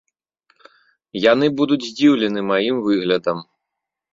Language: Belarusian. Яны будуць здзіўлены маім выглядам.